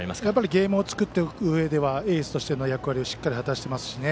ゲームを作っていくうえでエースとしての役割をしっかり果たしていますね。